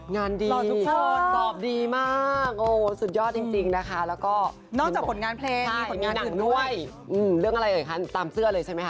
งานดีตอบดีมากสุดยอดจริงนะคะแล้วก็มีหนังน้วยเรื่องอะไรเหรอคะตามเสื้อเลยใช่ไหมคะ